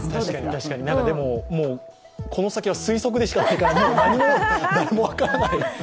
確かに、でもこの先は推測でしかないから誰も何も分からない。